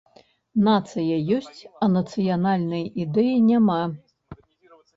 Нацыя ёсць, а нацыянальнай ідэі няма?